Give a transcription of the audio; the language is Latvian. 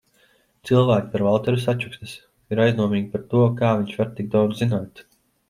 Cilvēki par Valteru sačukstas, ir aizdomīgi par to, kā viņš var tik daudz zināt.